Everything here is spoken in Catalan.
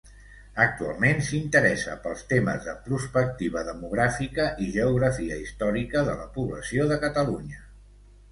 Actualment s'interessa pels temes de prospectiva demogràfica i geografia històrica de la població de Catalunya.